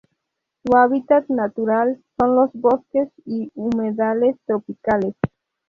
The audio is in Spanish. Su hábitat natural son los bosques y humedales tropicales.